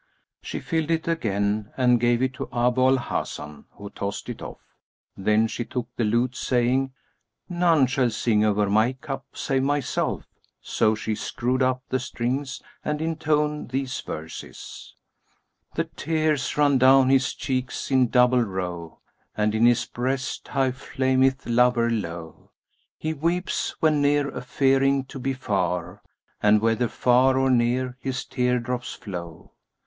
She filled it again and gave it to Abu al Hasan who tossed it off. Then she took the lute, saying, "None shall sing over my cup save myself;" so she screwed up the strings and intoned these verses, "The tears run down his cheeks in double row, * And in his breast high flameth lover lowe: He weeps when near, a fearing to be far; * And, whether far or near, his tear drops flow."